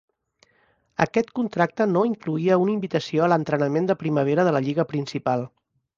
Aquest contracte no incloïa una invitació a l'entrenament de primavera de la lliga principal.